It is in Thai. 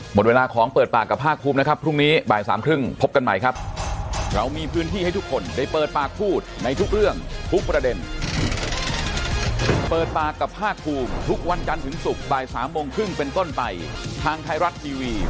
หมดเวลาของเปิดปากกับภาคภูมินะครับพรุ่งนี้บ่ายสามครึ่งพบกันใหม่ครับ